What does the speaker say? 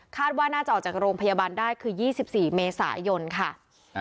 ว่าน่าจะออกจากโรงพยาบาลได้คือ๒๔เมษายนค่ะ